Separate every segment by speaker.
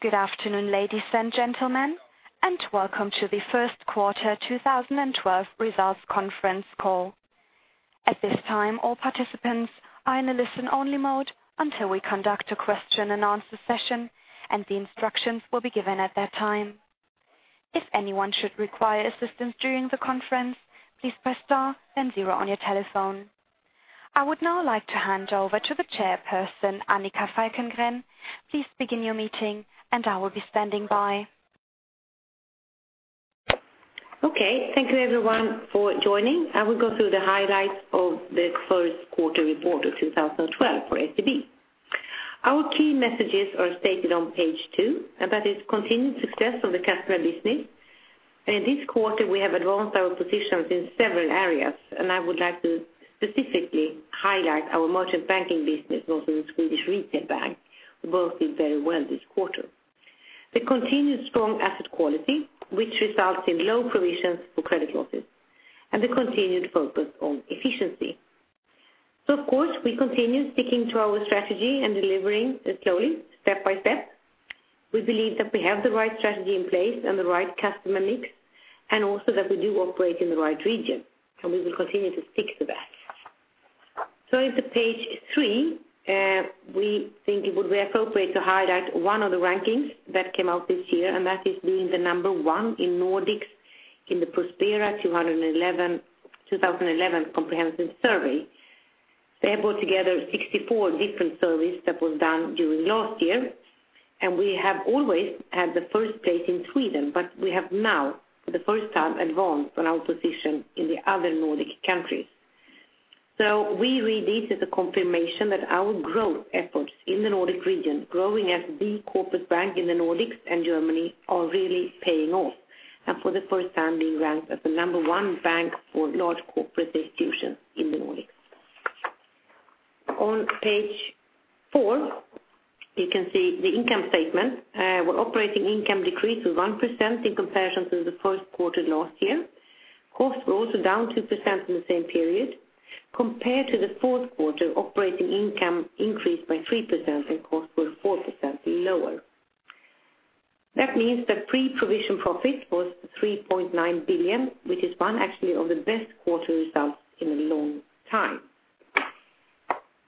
Speaker 1: Good afternoon, ladies and gentlemen, and welcome to the First Quarter 2012 Results Conference Call. At this time, all participants are in a listen-only mode until we conduct a question and answer session, and the instructions will be given at that time. If anyone should require assistance during the conference, please press star and zero on your telephone. I would now like to hand over to the Chairperson, Annika Falkengren. Please begin your meeting, and I will be standing by.
Speaker 2: Okay. Thank you, everyone, for joining. I will go through the highlights of the first quarter report of 2012 for SEB. Our key messages are stated on page two, and that is continued success of the customer business. In this quarter, we have advanced our position in several areas, and I would like to specifically highlight our merchant banking business, Northern Sweden Retail Bank, who both did very well this quarter. The continued strong asset quality, which results in low provisions for credit losses, and the continued focus on efficiency. Of course, we continue sticking to our strategy and delivering slowly, step by step. We believe that we have the right strategy in place and the right customer mix, and also that we do operate in the right region, and we will continue to stick to that. On to page three, we think it would be appropriate to highlight one of the rankings that came out this year, and that is being the number one in the Nordics in the Prospera 2011 comprehensive survey. They have brought together 64 different surveys that were done during last year, and we have always had the first place in Sweden, but we have now, for the first time, advanced on our position in the other Nordic countries. We read this as a confirmation that our growth efforts in the Nordic region, growing as the corporate bank in the Nordics and Germany, are really paying off, and for the first time, being ranked as the number one bank for large corporate institutions in the Nordics. On page four, you can see the income statement. Our operating income decreased by 1% in comparison to the first quarter last year. Costs were also down 2% in the same period. Compared to the fourth quarter, operating income increased by 3%, and costs were 4% lower. That means that pre-provision profit was 3.9 billion, which is actually one of the best quarter results in a long time.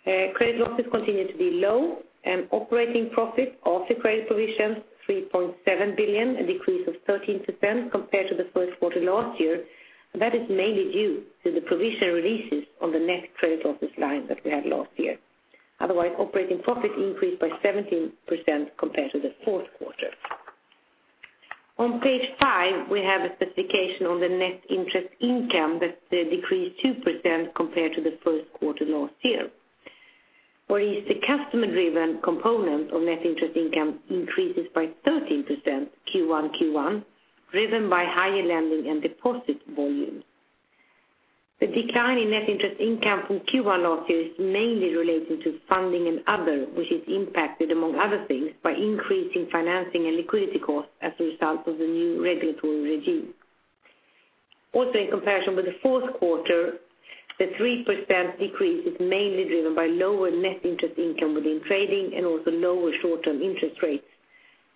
Speaker 2: Credit losses continue to be low, and operating profit after credit provisions was 3.7 billion, a decrease of 13% compared to the first quarter last year. That is mainly due to the provision releases on the net credit losses line that we had last year. Otherwise, operating profit increased by 17% compared to the fourth quarter. On page five, we have a specification on the net interest income that decreased 2% compared to the first quarter last year, whereas the customer-driven component of net interest income increases by 13% Q1-Q1, driven by higher lending and deposit volumes. The decline in net interest income from Q1 last year is mainly related to funding and other, which is impacted, among other things, by increasing financing and liquidity costs as a result of the new regulatory regime. Also, in comparison with the fourth quarter, the 3% decrease is mainly driven by lower net interest income within trading and also lower short-term interest rates,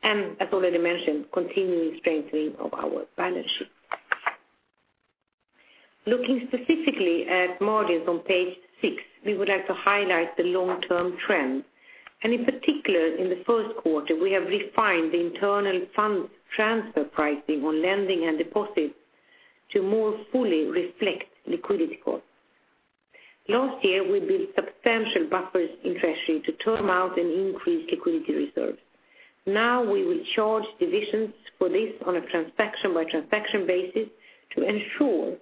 Speaker 2: and, as already mentioned, continuing strengthening of our balance sheet. Looking specifically at margins on page six, we would like to highlight the long-term trend, and in particular, in the first quarter, we have refined the internal funds transfer pricing on lending and deposits to more fully reflect liquidity costs. Last year, we built substantial buffers in treasury to term out and increase liquidity reserves. Now, we will charge divisions for this on a transaction-by-transaction basis to ensure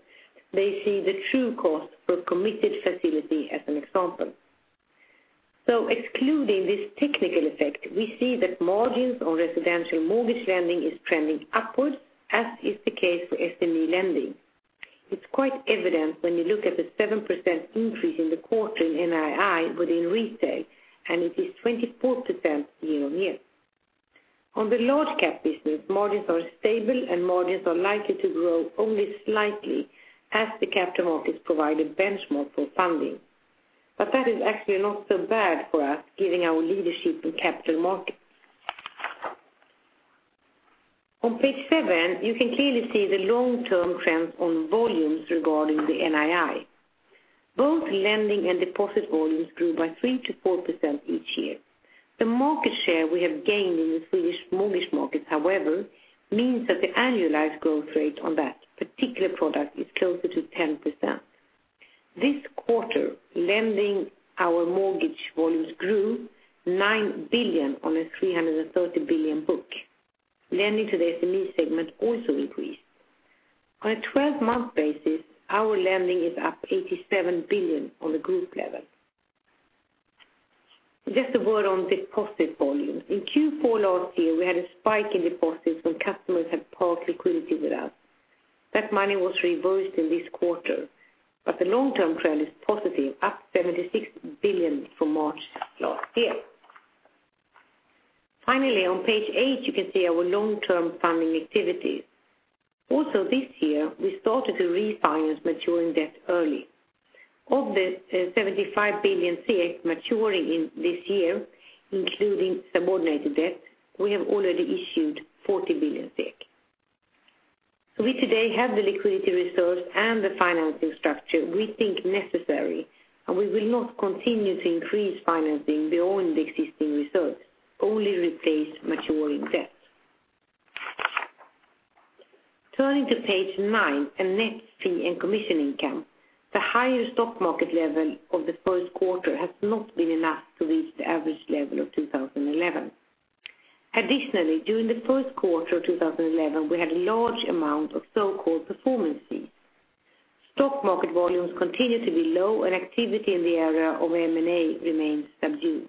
Speaker 2: they see the true cost of committed facility as an example. Excluding this technical effect, we see that margins on residential mortgage lending are trending upward, as is the case for SME lending. It's quite evident when you look at the 7% increase in the quarter in NII within retail, and it is 24% year-on-year. On the large-cap business, margins are stable, and margins are likely to grow only slightly as the capital markets provide a benchmark for funding. That is actually not so bad for us, given our leadership in capital markets. On page seven, you can clearly see the long-term trend on volumes regarding the NII. Both lending and deposit volumes grew by 3%-4% each year. The market share we have gained in the Swedish mortgage markets, however, means that the annualized growth rate on that particular product is closer to 10%. This quarter, lending our mortgage volumes grew 9 billion on a 330 billion book. Lending to the SME segment also increased. On a 12-month basis, our lending is up 87 billion on the group level. Just a word on deposit volumes. In Q4 last year, we had a spike in deposits when customers had parked liquidity with us. That money was reversed in this quarter, but the long-term trend is positive, up 76 billion from March last year. Finally, on page eight, you can see our long-term funding activities. Also, this year, we started to refinance maturing debt early. Of the 75 billion maturing in this year, including subordinated debt, we have already issued 40 billion SEK. We today have the liquidity reserves and the financing structure we think necessary, and we will not continue to increase financing beyond the existing reserves, only replace maturing debt. Turning to page nine, net fee and commission income, the higher stock market level of the first quarter has not been enough to reach the average level of 2011. Additionally, during the first quarter of 2011, we had a large amount of so-called performance fees. Stock market volumes continue to be low, and activity in the area of M&A remains subdued.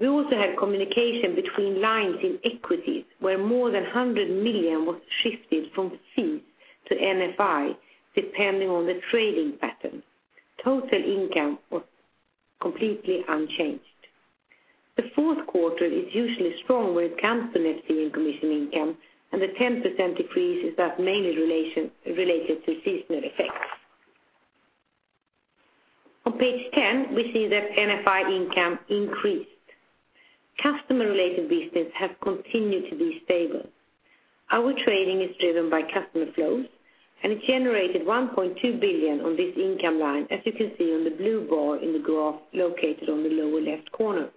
Speaker 2: We also had communication between lines in equities, where more than 100 million was shifted from C to NFI, depending on the trading pattern. Total income was completely unchanged. The fourth quarter is usually strong when it comes to net fee and commission income, and the 10% decrease is mainly related to CISNA effects. On page ten, we see that NFI income increased. Customer-related business has continued to be stable. Our trading is driven by customer flows, and it generated 1.2 billion on this income line, as you can see on the blue bar in the graph located on the lower left corner.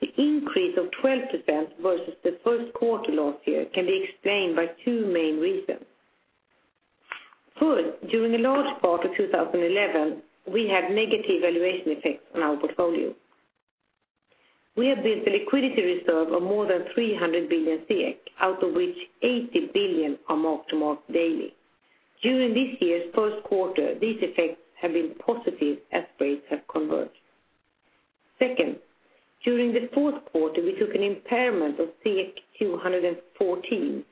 Speaker 2: The increase of 12% versus the first quarter last year can be explained by two main reasons. First, during a large part of 2011, we had negative valuation effects on our portfolio. We have built a liquidity reserve of more than 300 billion, out of which 80 billion are marked to market daily. During this year's first quarter, these effects have been positive as rates have converged. Second, during the fourth quarter, we took an impairment of 214 million,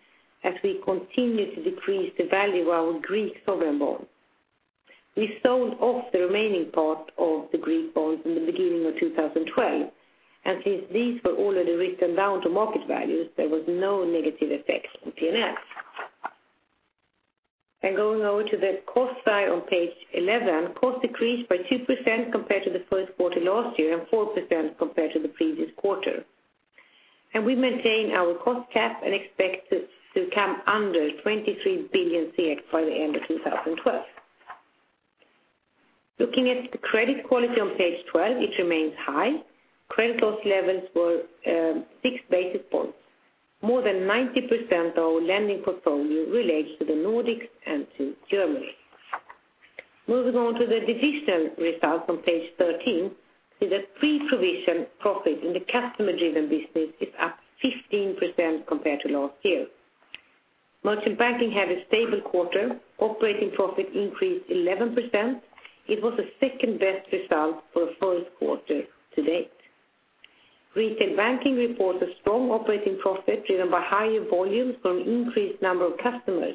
Speaker 2: as we continued to decrease the value of our Greek sovereign bonds. We sold off the remaining part of the Greek bonds in the beginning of 2012, and since these were already written down to market values, there were no negative effects on P&L. Going over to the cost side on page 11, costs decreased by 2% compared to the first quarter last year and 4% compared to the previous quarter. We maintain our cost cap and expect to come under 23 billion by the end of 2012. Looking at the credit quality on page 12, it remains high. Credit loss levels were 6 basis points. More than 90% of our lending portfolio relates to the Nordics and to Germany. Moving on to the digital results on page 13, we see that pre-provision profit in the customer-driven business is up 15% compared to last year. Merchant banking had a stable quarter. Operating profit increased 11%. It was the second-best result for the first quarter to date. Retail Banking reported a strong operating profit driven by higher volumes from an increased number of customers,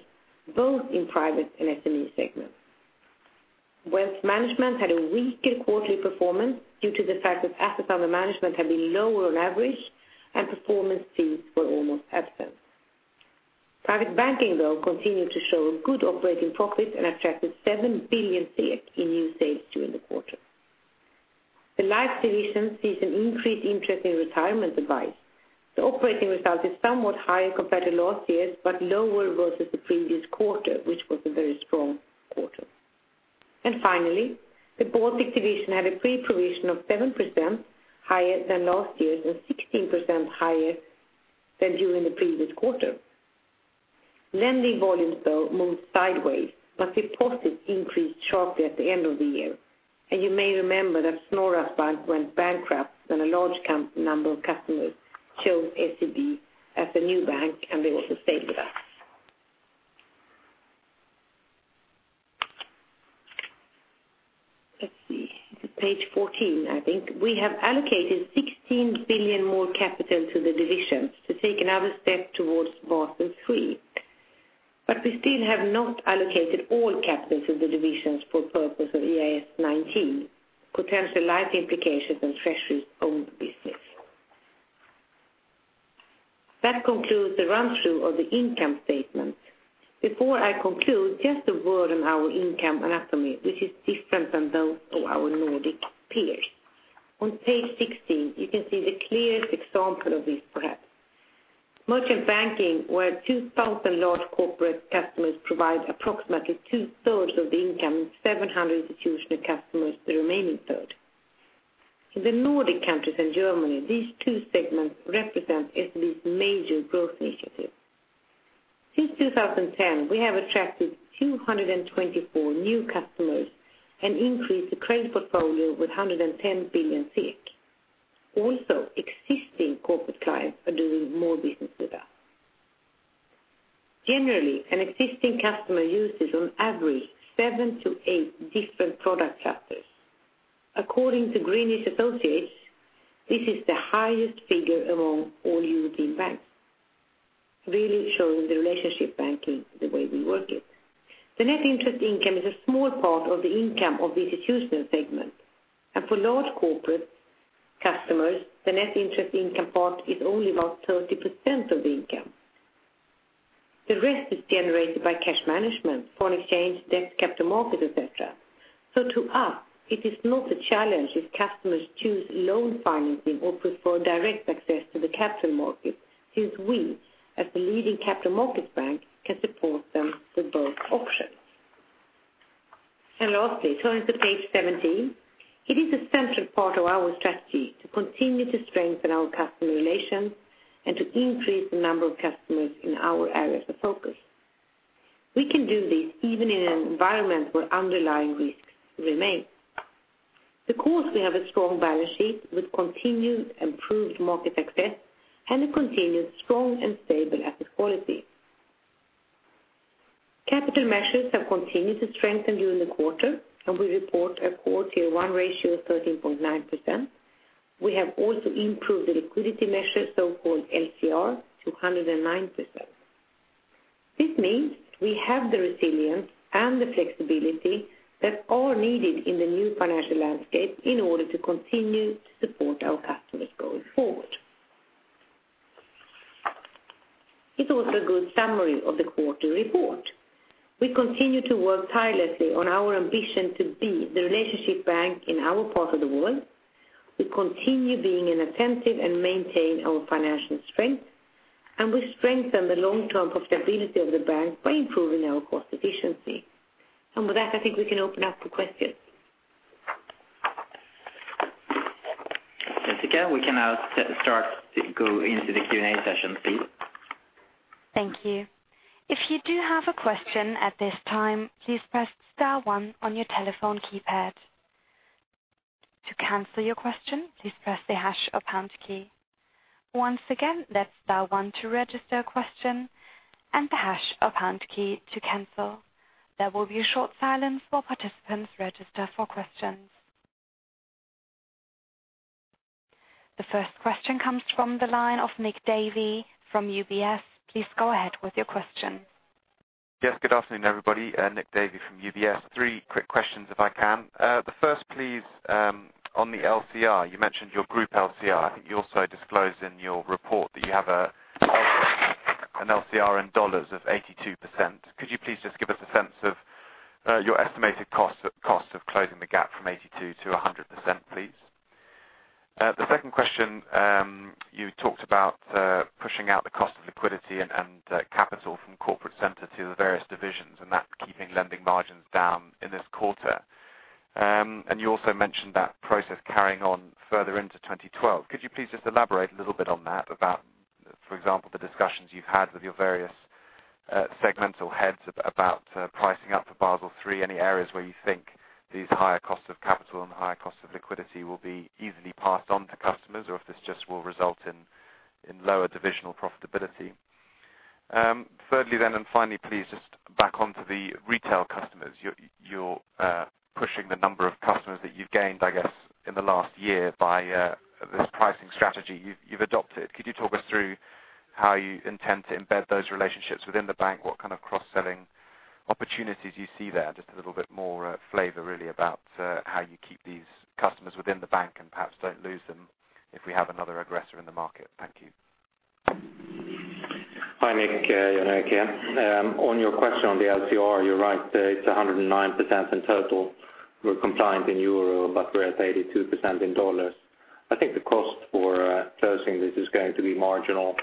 Speaker 2: both in private and SME segments. Wealth Management had a weaker quarterly performance due to the fact that assets under management had been lower on average, and performance fees were almost absent. Private Banking, though, continued to show good operating profits and attracted 7 billion in new sales during the quarter. The Life division sees an increased interest in retirement advice. The operating result is somewhat higher compared to last year, but lower versus the previous quarter, which was a very strong quarter. Finally, the Board division had a free provision of 7% higher than last year and 16% higher than during the previous quarter. Lending volumes, though, moved sideways, but deposits increased sharply at the end of the year. You may remember that Snorra's Bank went bankrupt, and a large number of customers chose SEB as a new bank, and they also stayed with us. Let's see. It's at page 14, I think. We have allocated 16 billion more capital to the divisions to take another step towards Basel III. We still have not allocated all capital to the divisions for purpose of IAS 19, potential life implications and treasuries on the business. That concludes the run-through of the income statements. Before I conclude, just a word on our income anatomy. This is different than those of our Nordic peers. On page 16, you can see the clearest example of this, perhaps. Merchant Banking, where 2,000 large corporate customers provide approximately two-thirds of the income, and 700 institutional customers the remaining third. In the Nordics and Germany, these two segments represent SEB's major growth initiative. Since 2010, we have attracted 224 new customers and increased the credit portfolio with 110 billion SEK. Also, existing corporate clients are doing more business with us. Generally, an existing customer uses on average seven to eight different product factors. According to Greenwich Associates, this is the highest figure among all European banks, really showing the relationship banking the way we work it. The net interest income is a small part of the income of the institutional segment. For large corporate customers, the net interest income part is only about 30% of the income. The rest is generated by cash management, foreign exchange, debt, capital markets, et cetera. To us, it is not a challenge if customers choose loan financing or prefer direct access to the capital markets, since we, as the leading capital markets bank, can support them with both options. Lastly, turning to page 17, it is a central part of our strategy to continue to strengthen our customer relations and to increase the number of customers in our area of focus. We can do this even in an environment where underlying risks remain, because we have a strong balance sheet with continued improved market access and a continued strong and stable asset quality. Capital measures have continued to strengthen during the quarter, and we report a core Tier 1 ratio of 13.9%. We have also improved the liquidity measure, so-called LCR, to 109%. This means we have the resilience and the flexibility that are needed in the new financial landscape in order to continue to support our customers going forward. It's also a good summary of the quarterly report. We continue to work tirelessly on our ambition to be the relationship bank in our part of the world. We continue being inoffensive and maintain our financial strength, and we strengthen the long-term profitability of the bank by improving our cost efficiency. With that, I think we can open up for questions.
Speaker 3: Jessica, we can now start to go into the Q&A session, please.
Speaker 1: Thank you. If you do have a question at this time, please press star one on your telephone keypad. To cancel your question, please press the hash or pound key. Once again, that's star one to register a question and the hash or pound key to cancel. There will be a short silence while participants register for questions. The first question comes from the line of Nick Davey from UBS. Please go ahead with your question.
Speaker 4: Yes, good afternoon, everybody. Nick Davey from UBS. Three quick questions, if I can. The first, please, on the LCR. You mentioned your group LCR. I think you also disclosed in your report that you have an LCR in dollars of 82%. Could you please just give us a sense of your estimated cost of closing the gap from 82%-100%, please? The second question, you talked about pushing out the cost of liquidity and capital from corporate center to the various divisions and that keeping lending margins down in this quarter. You also mentioned that process carrying on further into 2012. Could you please just elaborate a little bit on that, about, for example, the discussions you've had with your various segmental heads about pricing up for Basel III? Any areas where you think these higher costs of capital and higher costs of liquidity will be easily passed on to customers, or if this just will result in lower divisional profitability? Thirdly, then, and finally, please, just back onto the retail customers. You're pushing the number of customers that you've gained, I guess, in the last year by this pricing strategy you've adopted. Could you talk us through how you intend to embed those relationships within the bank? What kind of cross-selling opportunities you see there? Just a little bit more flavor, really, about how you keep these customers within the bank and perhaps don't lose them if we have another aggressor in the market. Thank you.
Speaker 5: Hi, Nick. You know I can. On your question on the LCR, you're right. It's 109% in total. We're compliant in euro, but we're at 82% in dollars. I think the cost for pursuing this is going to be marginal.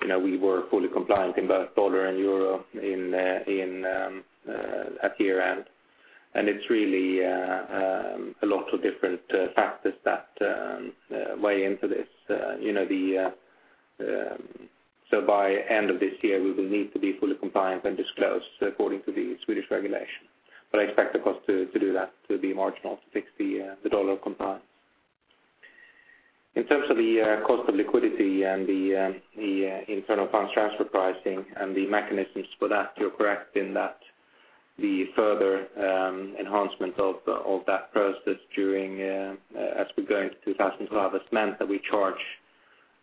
Speaker 5: We were fully compliant in both dollar and euro at year-end. It's really a lot of different factors that weigh into this. By the end of this year, we will need to be fully compliant when disclosed according to the Swedish regulation. I expect the cost to do that to be marginal to fix the dollar compliance. In terms of the cost of liquidity and the internal funds transfer pricing and the mechanisms for that, you're correct in that the further enhancement of that process during, as we go into 2012, has meant that we charge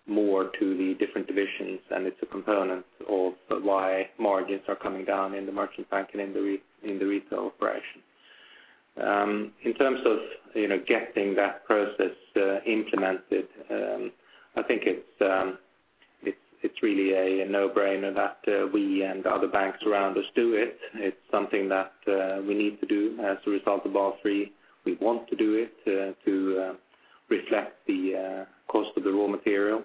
Speaker 5: more to the different divisions, and it's a component of why margins are coming down in the merchant bank and in the retail operation. In terms of getting that process implemented, I think it's really a no-brainer that we and other banks around us do it. It's something that we need to do as a result of Basel III. We want to do it to reflect the cost of the raw material.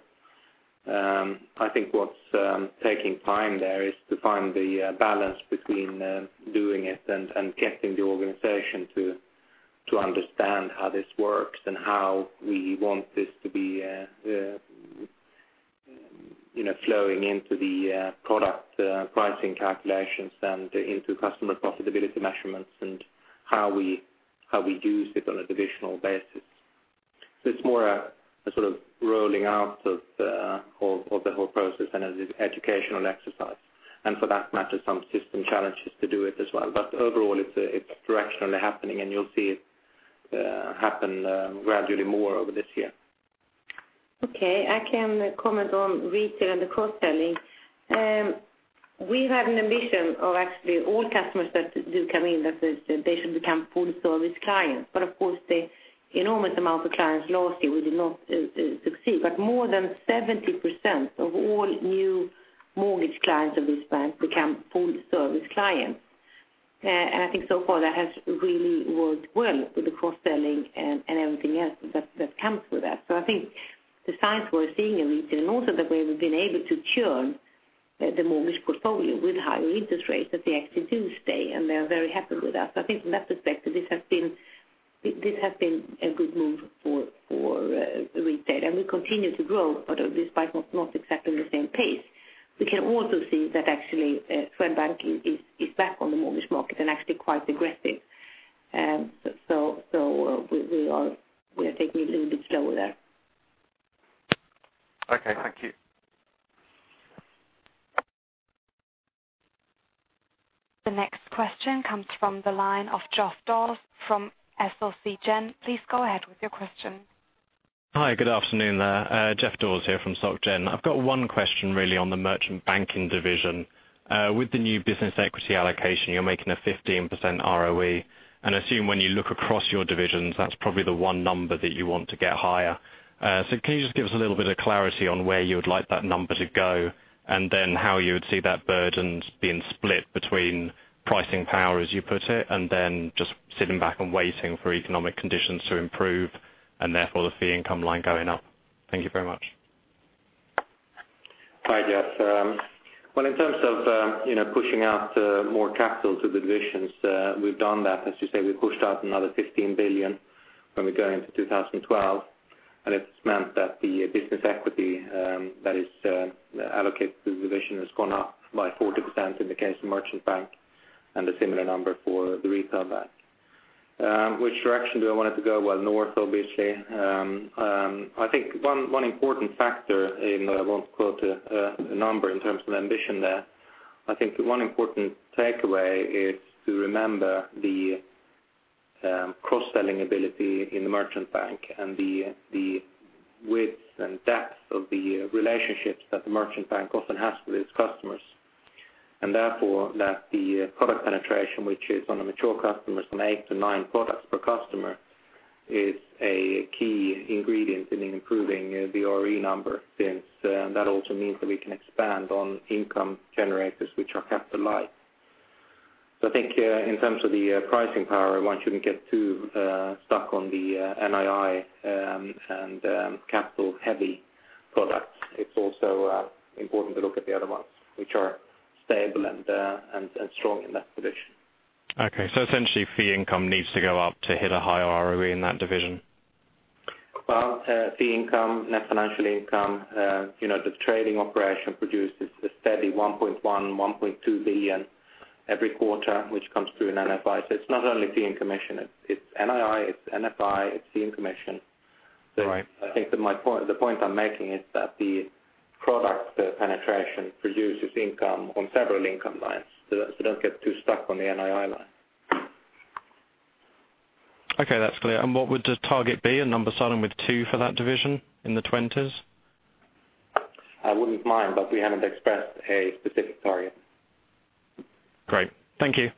Speaker 5: I think what's taking time there is to find the balance between doing it and getting the organization to understand how this works and how we want this to be flowing into the product pricing calculations and into customer profitability measurements and how we use it on a divisional basis. It's more a sort of rolling out of the whole process and as an educational exercise. For that matter, some system challenges to do it as well. Overall, it's directionally happening, and you'll see it happen gradually more over this year.
Speaker 2: Okay. I can comment on retail and the cross-selling. We have an ambition of actually all customers that do come in, that they should become full-service clients. Of course, the enormous amount of clients last year, we did not succeed. More than 70% of all new mortgage clients of this bank become full-service clients. I think so far that has really worked well with the cross-selling and everything else that comes with that. I think the signs we're seeing in retail and also the way we've been able to churn the mortgage portfolio with higher interest rates is that they actually do stay, and they're very happy with that. I think from that perspective, this has been a good move for retail. We continue to grow, despite not exactly the same pace. We can also see that actually Swedbank is back on the mortgage market and actually quite aggressive. We are taking it a little bit slower there.
Speaker 4: Okay, thank you.
Speaker 1: The next question comes from the line of Geoff Dawes from Société Gén. Please go ahead with your question.
Speaker 6: Hi. Good afternoon there. Geoff Dawes here from Société Gén. I've got one question, really, on the merchant banking division. With the new business equity allocation, you're making a 15% ROE. I assume when you look across your divisions, that's probably the one number that you want to get higher. Can you just give us a little bit of clarity on where you would like that number to go and how you would see that burden being split between pricing power, as you put it, and just sitting back and waiting for economic conditions to improve and therefore the fee income line going up? Thank you very much.
Speaker 5: Hi, Geoff. In terms of pushing out more capital to the divisions, we've done that. As you say, we pushed out another 15 billion when we go into 2012. It's meant that the business equity that is allocated to the division has gone up by 40% in the case of merchant banking and a similar number for the retail bank. Which direction do I want it to go? North, obviously. I think one important factor, even though I won't quote a number in terms of the ambition there, is to remember the cross-selling ability in the merchant bank and the width and depth of the relationships that the merchant bank often has with its customers. Therefore, the product penetration, which is on the mature customers on eight to nine products per customer, is a key ingredient in improving the ROE number. That also means that we can expand on income generators, which are capital-light. I think in terms of the pricing power, once you can get too stuck on the NII and capital-heavy products, it's also important to look at the other ones, which are stable and strong in that division.
Speaker 6: Okay, so essentially, fee income needs to go up to hit a higher ROE in that division?
Speaker 5: Fee income, net financial income, you know the trading operation produces a steady 1.1 billion - 1.2 billion every quarter, which comes through in NFI. It's not only fee and commission. It's NII, it's NFI, it's fee and commission. I think the point I'm making is that the product penetration produces income on several income lines. Don't get too stuck on the NII line.
Speaker 6: Okay. That's clear. What would the target be? A number starting with 2 for that division in the 20s?
Speaker 5: I wouldn't mind, but we haven't expressed a specific target.
Speaker 6: Great. Thank you.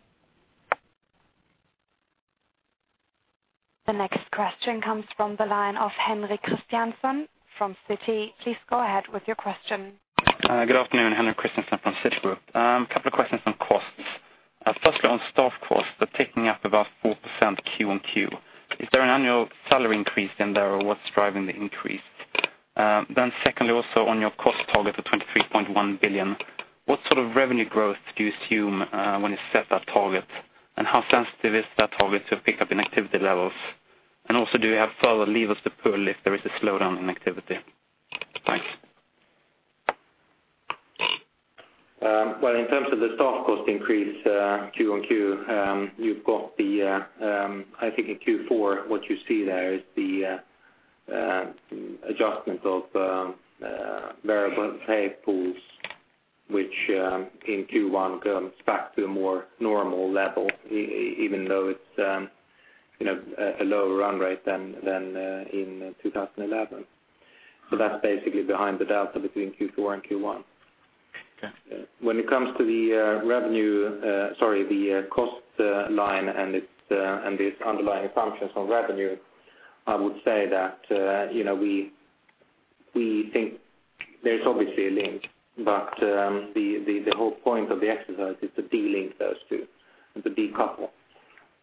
Speaker 1: The next question comes from the line of Henrik Christiansson from Citi. Please go ahead with your question.
Speaker 7: Good afternoon. Henrik Christiansson from Citigroup. A couple of questions on costs. Firstly, on staff costs, they're ticking up about 4% Q1Q. Is there an annual salary increase in there, or what's driving the increase? Secondly, also on your cost target of 23.1 billion, what sort of revenue growth do you assume when you set that target? How sensitive is that target to a pickup in activity levels? Do we have further levers to pull if there is a slowdown in activity?
Speaker 5: In terms of the staff cost increase Q1Q, you've got the, I think in Q4, what you see there is the adjustment of variable pay pools, which in Q1 goes back to a more normal level, even though it's a lower run rate than in 2011. That's basically behind the delta between Q4 and Q1. When it comes to the revenue, sorry, the cost line and its underlying assumptions on revenue, I would say that we think there's obviously a link, but the whole point of the exercise is to de-link those two, to decouple.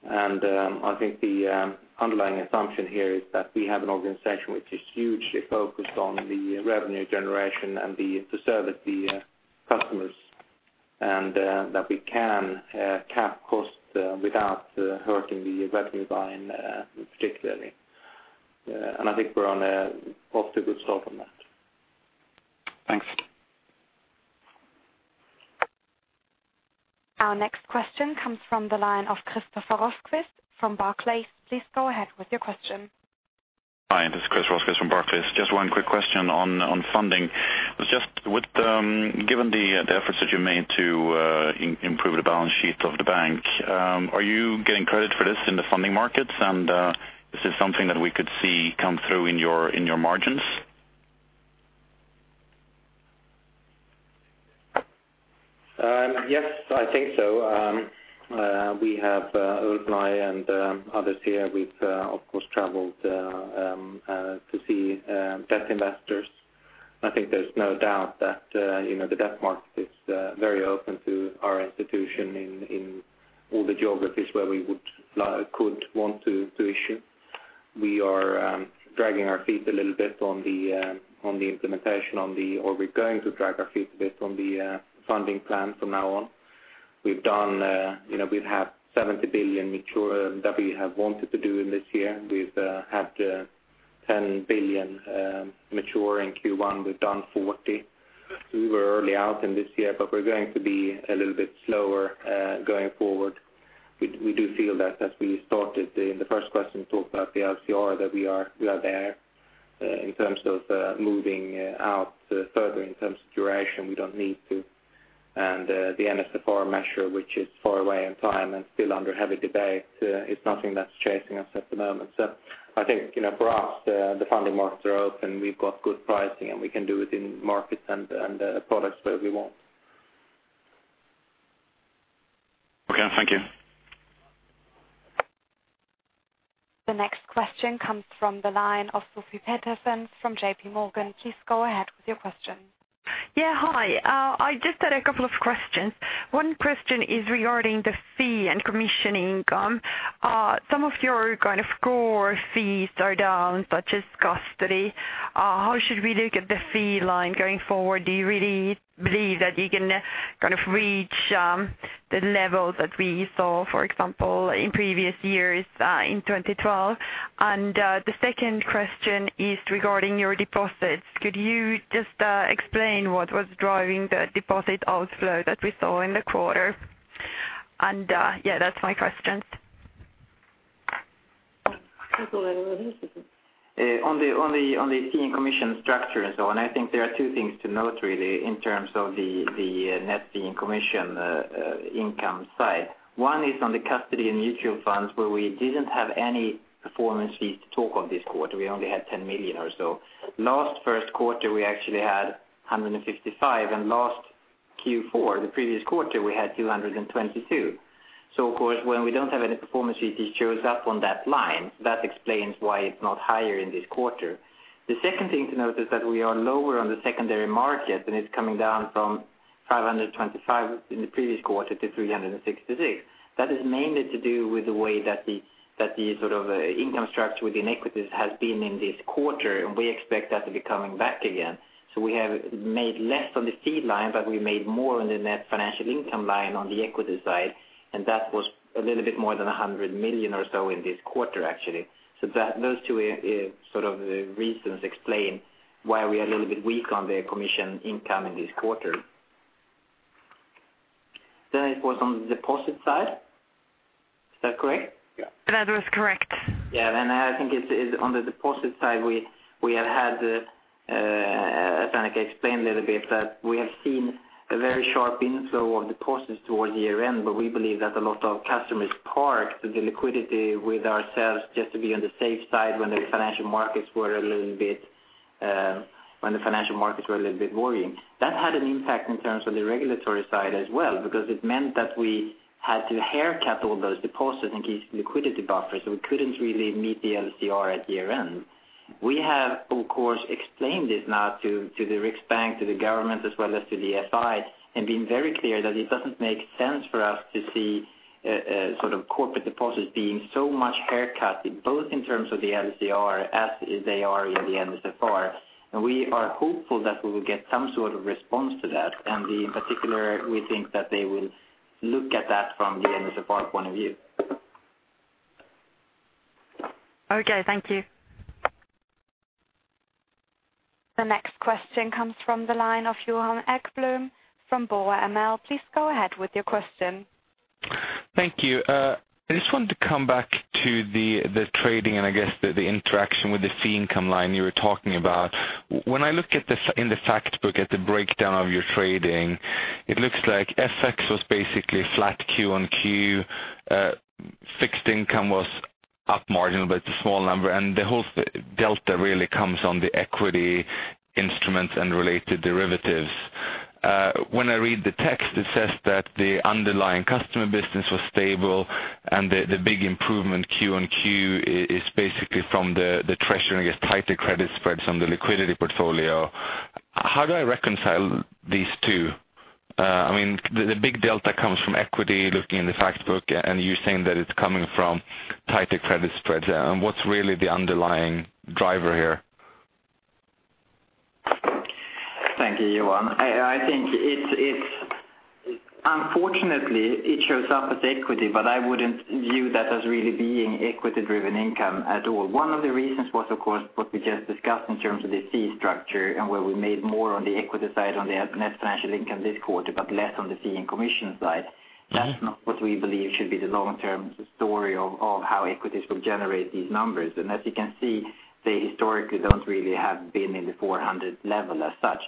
Speaker 5: I think the underlying assumption here is that we have an organization which is hugely focused on the revenue generation and to service the customers and that we can cap costs without hurting the revenue line, particularly. I think we're off to a good start on that.
Speaker 7: Thanks.
Speaker 1: Our next question comes from the line of Christopher Roskvis from Barclays. Please go ahead with your question.
Speaker 8: Hi. This is Chris Roskvis from Barclays. Just one quick question on funding. It was just with given the efforts that you made to improve the balance sheet of the bank, are you getting credit for this in the funding markets? Is it something that we could see come through in your margins?
Speaker 5: Yes, I think so. Ulf and I and others here have, of course, traveled to see debt investors. I think there's no doubt that the debt market is very open to our institution in all the geographies where we could want to issue. We are dragging our feet a little bit on the implementation, or we're going to drag our feet a bit on the funding plan from now on. We've had 70 billion that we have wanted to do in this year. We've had 10 billion mature in Q1. We've done 40 billion. We were early out in this year, but we're going to be a little bit slower going forward. We do feel that, as we started in the first question, talked about the LCR, that we are there in terms of moving out further in terms of duration. We don't need to. The NFFR measure, which is far away in time and still under heavy debate, is nothing that's chasing us at the moment. I think the funding markets are open. We've got good pricing, and we can do it in markets and products where we want.
Speaker 8: Okay, thank you.
Speaker 1: The next question comes from the line of Sofie Peterzens from JPMorgan. Please go ahead with your question.
Speaker 9: Yeah. Hi. I just had a couple of questions. One question is regarding the fee and commission income. Some of your kind of core fees are down, such as custody. How should we look at the fee line going forward? Do you really believe that you can kind of reach the level that we saw, for example, in previous years in 2012? The second question is regarding your deposits. Could you just explain what was driving the deposit outflow that we saw in the quarter? Yeah, that's my question.
Speaker 3: On the fee and commission structure and so on, I think there are two things to note, really, in terms of the net fee and commission income side. One is on the custody and mutual funds, where we didn't have any performance fees to talk on this quarter. We only had 10 million or so. Last first quarter, we actually had 155 million. In last Q4, the previous quarter, we had 222 million. Of course, when we don't have any performance fee, this shows up on that line. That explains why it's not higher in this quarter. The second thing to note is that we are lower on the secondary market, and it's coming down from 525 million in the previous quarter to 366 million. That is mainly to do with the way that the sort of income structure within equities has been in this quarter, and we expect that to be coming back again. We have made less on the fee line, but we made more on the net financial income line on the equity side. That was a little bit more than 100 million or so in this quarter, actually. Those two sort of reasons explain why we are a little bit weak on the commission income in this quarter. It was on the deposit side. Is that correct?
Speaker 9: That was correct.
Speaker 3: Yeah. I think it's on the deposit side. I think I explained a little bit that we have seen a very sharp inflow of deposits towards year-end, but we believe that a lot of customers parked the liquidity with ourselves just to be on the safe side when the financial markets were a little bit worrying. That had an impact in terms of the regulatory side as well because it meant that we had to haircut all those deposits in case of liquidity buffers, so we couldn't really meet the LCR at year-end. We have, of course, explained this now to the Riksbank, to the government, as well as to DFI, and been very clear that it doesn't make sense for us to see sort of corporate deposits being so much haircut, both in terms of the LCR as they are in the NFFR. We are hopeful that we will get some sort of response to that. In particular, we think that they will look at that from the NFFR point of view.
Speaker 9: Okay, thank you.
Speaker 1: The next question comes from the line of Johan Ekblom from BOA ML. Please go ahead with your question.
Speaker 10: Thank you. I just wanted to come back to the trading and, I guess, the interaction with the fee income line you were talking about. When I look in the fact book, at the breakdown of your trading, it looks like FX was basically flat Q-on-Q. Fixed income was up marginal, but it's a small number. The whole delta really comes on the equity instruments and related derivatives. When I read the text, it says that the underlying customer business was stable, and the big improvement Q-on-Q is basically from the treasury, I guess, tighter credit spreads on the liquidity portfolio. How do I reconcile these two? I mean, the big delta comes from equity, looking in the fact book, and you're saying that it's coming from tighter credit spreads. What's really the underlying driver here?
Speaker 3: Thank you, Johan. I think, unfortunately, it shows up as equity, but I wouldn't view that as really being equity-driven income at all. One of the reasons was, of course, what we just discussed in terms of the fee structure and where we made more on the equity side on the net financial income this quarter, but less on the fee and commission side. That is not what we believe should be the long-term story of how equities will generate these numbers. As you can see, they historically don't really have been in the 400 level as such.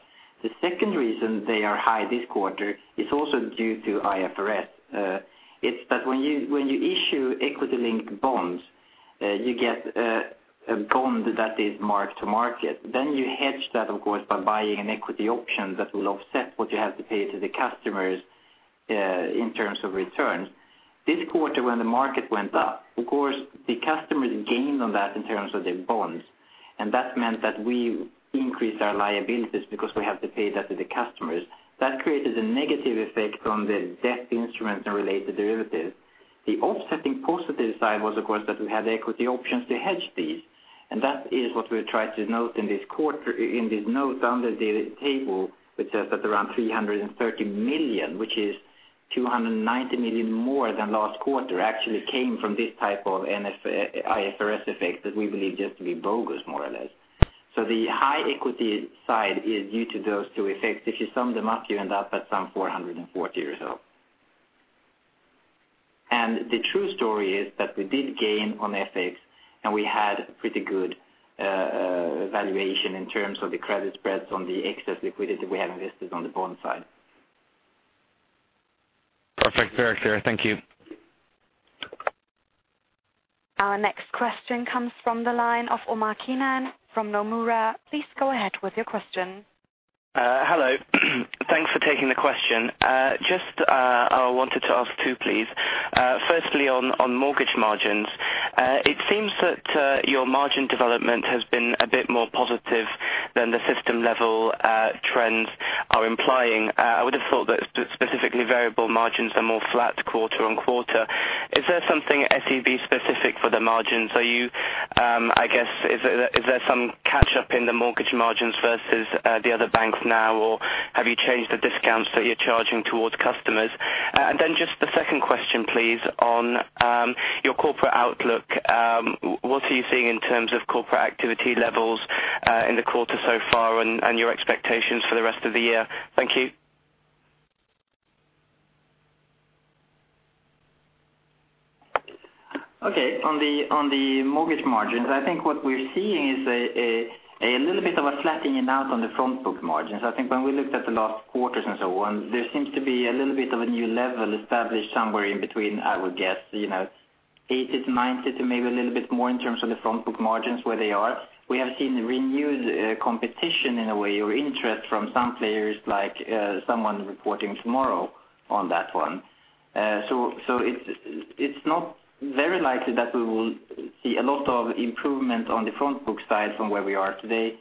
Speaker 3: The second reason they are high this quarter is also due to IFRS. It's that when you issue equity-linked bonds, you get a bond that is marked to market. You hedge that, of course, by buying an equity option that will offset what you have to pay to the customers in terms of returns. This quarter, when the market went up, the customers gained on that in terms of their bonds. That meant that we increased our liabilities because we have to pay that to the customers. That created a negative effect on the debt instruments and related derivatives. The offsetting positive side was that we had equity options to hedge these. That is what we're trying to note in this quarter, in this note under the table, which says that around 330 million, which is 290 million more than last quarter, actually came from this type of IFRS effect that we believe just to be bogus, more or less. The high equity side is due to those two effects. If you sum them up, you end up at some 440 million or so. The true story is that we did gain on FX, and we had a pretty good valuation in terms of the credit spreads on the excess liquidity we have invested on the bond side.
Speaker 10: Perfect. Very clear. Thank you.
Speaker 1: Our next question comes from the line of Omar Keenan from Nomura. Please go ahead with your question.
Speaker 11: Hello. Thanks for taking the question. I wanted to ask two, please. Firstly, on mortgage margins, it seems that your margin development has been a bit more positive than the system-level trends are implying. I would have thought that specifically variable margins are more flat quarter on quarter. Is there something SEB-specific for the margins? Is there some catch-up in the mortgage margins versus the other banks now, or have you changed the discounts that you're charging toward customers? The second question, please, on your corporate outlook. What are you seeing in terms of corporate activity levels in the quarter so far and your expectations for the rest of the year? Thank you.
Speaker 3: Okay. On the mortgage margins, I think what we're seeing is a little bit of a flattening out on the frontbook margins. I think when we looked at the last quarters and so on, there seems to be a little bit of a new level established somewhere in between, I would guess, you know, 80-90 to maybe a little bit more in terms of the frontbook margins where they are. We have seen renewed competition in a way or interest from some players, like someone reporting tomorrow on that one. It is not very likely that we will see a lot of improvement on the frontbook side from where we are today,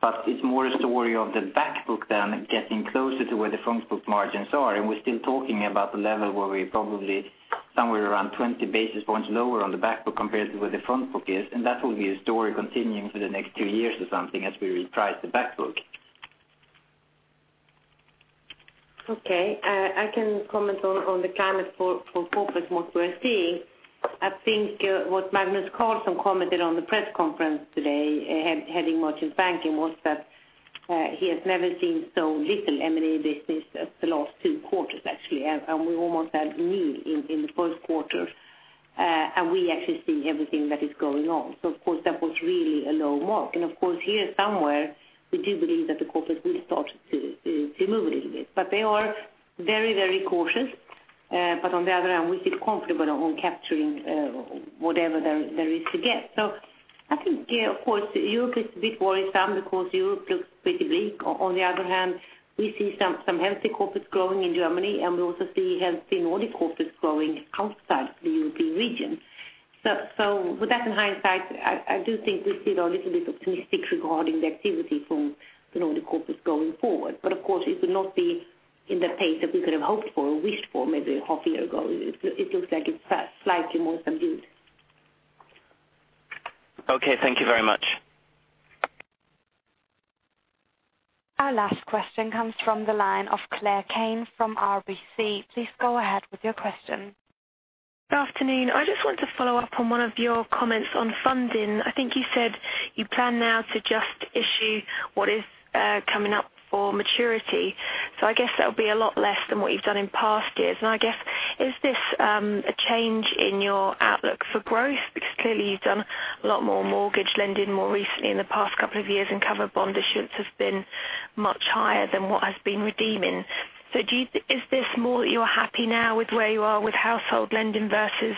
Speaker 3: but it's more a story of the backbook getting closer to where the frontbook margins are. We're still talking about the level where we're probably somewhere around 20 basis points lower on the backbook compared to where the frontbook is. That will be a story continuing for the next two years or something as we retry the backbook.
Speaker 2: Okay. I can comment on the climate for corporate what we're seeing. I think what Magnus Carlsson commented on the press conference today, heading Merchant Banking, was that he has never seen so little M&A business the last two quarters, actually. We almost had a knee in the first quarter, and we actually see everything that is going on. Of course, that was really a low mark. Of course, here somewhere, we do believe that the corporates will start to move a little bit. They are very, very cautious. On the other hand, we feel comfortable on capturing whatever there is to get. I think, of course, Europe is a bit worrisome because Europe looks pretty weak. On the other hand, we see some healthy corporates growing in Germany, and we also see healthy Nordic corporates growing outside the European region. With that in hindsight, I do think we still are a little bit optimistic regarding the activity from the Nordic corporates going forward. Of course, it would not be in the pace that we could have hoped for or wished for maybe half a year ago. It looks like it's slightly more subdued.
Speaker 11: Okay, thank you very much.
Speaker 1: Our last question comes from the line of Claire Kane from RBC. Please go ahead with your question.
Speaker 12: Good afternoon. I just want to follow up on one of your comments on funding. I think you said you plan now to just issue what is coming up for maturity. I guess that'll be a lot less than what you've done in past years. Is this a change in your outlook for growth? Clearly, you've done a lot more mortgage lending more recently in the past couple of years, and covered bond issuance has been much higher than what has been redeeming. Is this more that you are happy now with where you are with household lending versus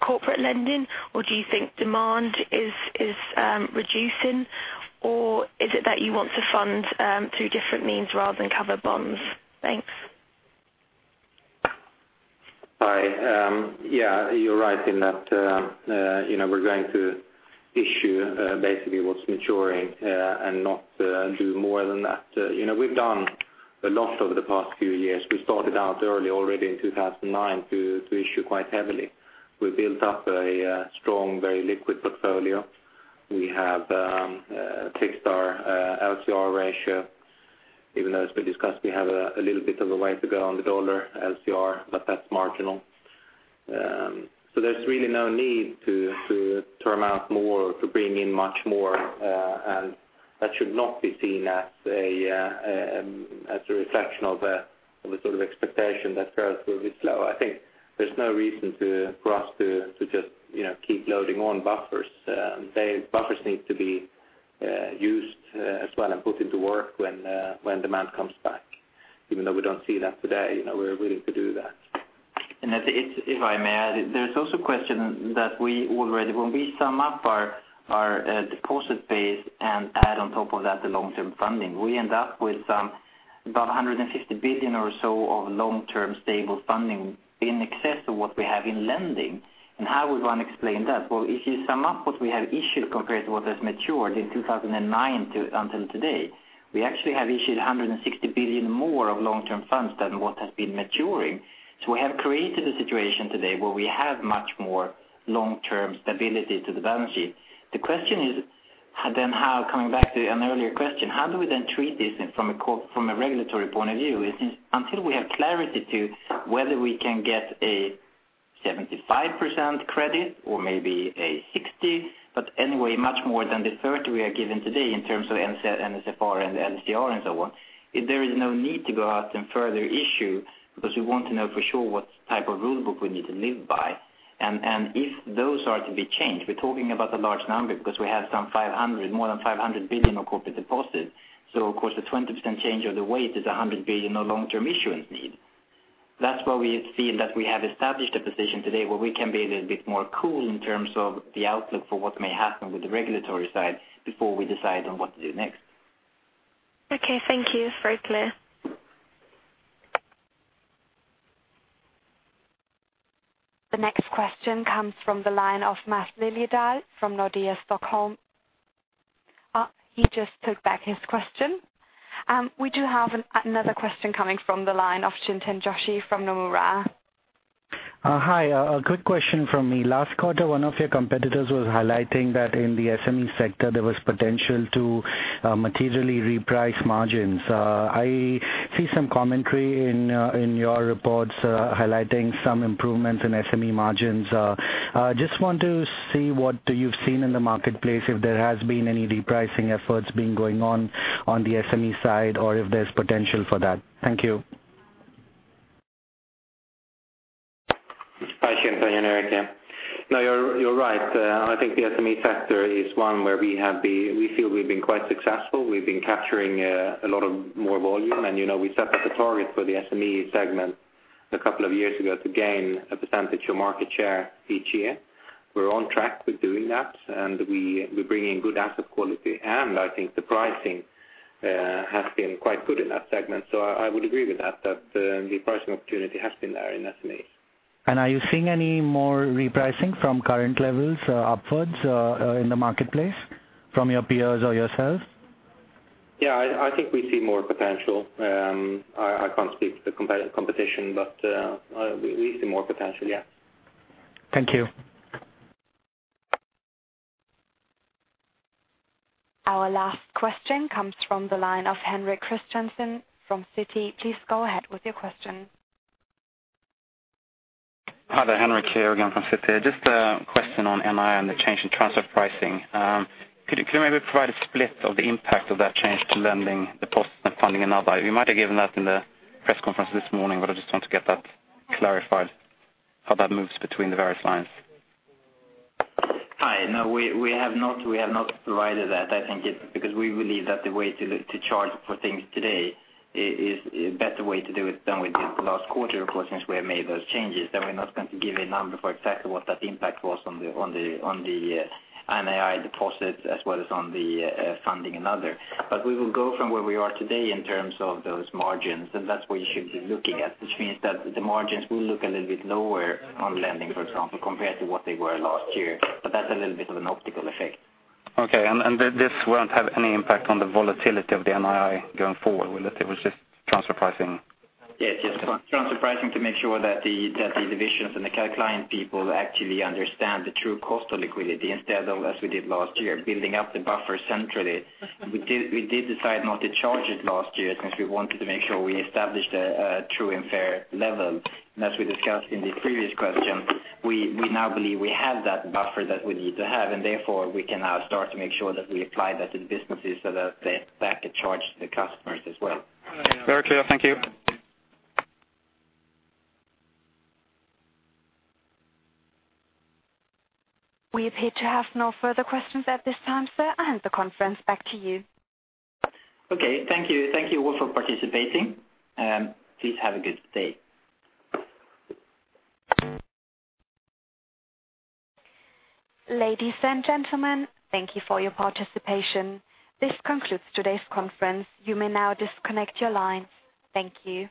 Speaker 12: corporate lending? Do you think demand is reducing? Is it that you want to fund through different means rather than covered bonds? Thanks.
Speaker 5: Hi. Yeah, you're right in that we're going to issue basically what's maturing and not do more than that. We've done a lot over the past few years. We started out early already in 2009 to issue quite heavily. We've built up a strong, very liquid portfolio. We have fixed our LCR ratio. Even though, as we discussed, we have a little bit of a way to go on the dollar LCR, that's marginal. There's really no need to term out more or to bring in much more. That should not be seen as a reflection of a sort of expectation that growth will be slow. I think there's no reason for us to just keep loading on buffers. Buffers need to be used as well and put into work when demand comes back. Even though we don't see that today, we're willing to do that.
Speaker 3: It's... If I may add, there's also a question that we already, when we sum up our deposit base and add on top of that the long-term funding, we end up with about 150 billion or so of long-term stable funding in excess of what we have in lending. How would one explain that? If you sum up what we have issued compared to what has matured in 2009 until today, we actually have issued 160 billion more of long-term funds than what has been maturing. We have created a situation today where we have much more long-term stability to the balance sheet. The question is, coming back to an earlier question, how do we then treat this from a regulatory point of view? Until we have clarity as to whether we can get a 75% credit or maybe a 60%, but anyway, much more than the 30% we are given today in terms of NFFR and LCR and so on, there is no need to go out and further issue because we want to know for sure what type of rulebook we need to live by. If those are to be changed, we're talking about a large number because we have some 500 billion, more than 500 billion of corporate deposits. Of course, a 20% change of the weight is 100 billion of long-term issuance needs. That's why we feel that we have established a position today where we can be a little bit more cool in terms of the outlook for what may happen with the regulatory side before we decide on what to do next.
Speaker 12: Okay, thank you. It's very clear.
Speaker 1: The next question comes from the line of Maths Liljedahl from Nordea Stockholm. He just took back his question. We do have another question coming from the line of Chintan Joshi from Nomura.
Speaker 13: Hi. A quick question from me. Last quarter, one of your competitors was highlighting that in the SME sector, there was potential to materially reprice margins. I see some commentary in your reports highlighting some improvements in SME margins. I just want to see what you've seen in the marketplace, if there has been any repricing efforts going on on the SME side or if there's potential for that. Thank you.
Speaker 5: Hi, Shinten. Yeah, you're right. I think the SME sector is one where we feel we've been quite successful. We've been capturing a lot more volume. You know we set up a target for the SME segment a couple of years ago to gain a % of market share each year. We're on track with doing that, and we're bringing good asset quality. I think the pricing has been quite good in that segment. I would agree with that, that the pricing opportunity has been there in SME.
Speaker 13: Are you seeing any more repricing from current levels upwards in the marketplace from your peers or yourself?
Speaker 5: Yeah, I think we see more potential. I can't speak to the competition, but we see more potential, yeah.
Speaker 13: Thank you.
Speaker 1: Our last question comes from the line of Henrik Christiansson from Citi. Please go ahead with your question.
Speaker 7: Hi. Henrik here again from Citi. Just a question on MI and the change in internal funds transfer pricing. Could you maybe provide a split of the impact of that change to lending, deposits, and funding in the Nordics? You might have given that in the press conference this morning, but I just want to get that clarified, how that moves between the various lines.
Speaker 3: Hi. No, we have not provided that. I think it's because we believe that the way to charge for things today is a better way to do it than we did the last quarter, of course, since we have made those changes. We're not going to give a number for exactly what that impact was on the NII deposits as well as on the funding and other. We will go from where we are today in terms of those margins, and that's what you should be looking at, which means that the margins will look a little bit lower on lending, for example, compared to what they were last year. That's a little bit of an optical effect.
Speaker 7: Okay. This won't have any impact on the volatility of the NII going forward, will it? It was just internal funds transfer pricing.
Speaker 3: Yes, just internal funds transfer pricing to make sure that the divisions and the client people actually understand the true cost of liquidity instead of, as we did last year, building up the buffer centrally. We did decide not to charge it last year because we wanted to make sure we established a true and fair level. As we discussed in the previous question, we now believe we have that buffer that we need to have. Therefore, we can now start to make sure that we apply that to the businesses so that they actually charge the customers as well.
Speaker 7: Very clear. Thank you.
Speaker 1: We appear to have no further questions at this time, sir. I hand the conference back to you.
Speaker 3: Okay, thank you. Thank you all for participating. Please have a good day.
Speaker 1: Ladies and gentlemen, thank you for your participation. This concludes today's conference. You may now disconnect your line. Thank you.